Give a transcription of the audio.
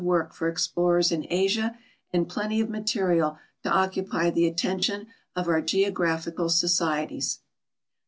'55 work for explorers in Asia ami plenty i>f material to occupy the attention of our geographical societies.